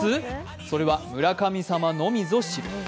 それは村神様のみぞ知る。